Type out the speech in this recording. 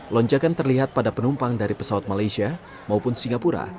lonjakan terlihat pada penumpang dari pesawat malaysia maupun singapura